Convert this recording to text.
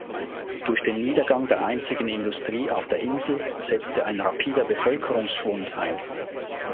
Durch den Niedergang der einzigen Industrie auf der Insel setzte ein rapider Bevölkerungsschwund ein.